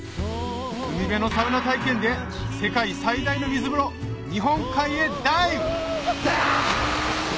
海辺のサウナ体験で世界最大の水風呂日本海へダイブ！